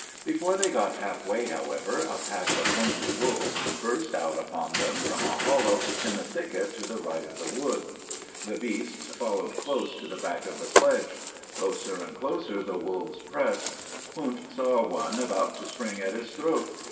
Before they got half way, however, a pack of hungry wolves, burst out upon them from a hollow in the thicket to the right of the wood. The beasts followed close to the back of the sledge. Closer and closer the wolves pressed. Hund saw one about to spring at his throat.